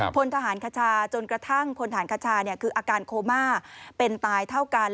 พลทหารคชาจนกระทั่งพลฐานคชาคืออาการโคม่าเป็นตายเท่ากัน